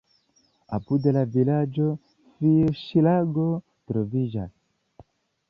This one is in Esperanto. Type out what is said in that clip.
Apud la vilaĝo fiŝlago troviĝas.